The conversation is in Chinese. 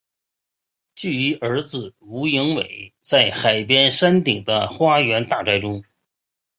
居于儿子吴英伟在海边山顶的花园大宅中。